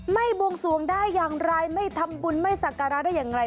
บวงสวงได้อย่างไรไม่ทำบุญไม่สักการะได้อย่างไร